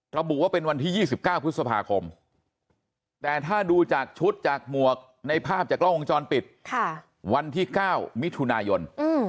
ระบุว่าเป็นวันที่๒๙พฤษภาคมแต่ถ้าดูจากชุดจากหมวกในภาพจากกล้องวงจรปิดวันที่๙มิถุนายน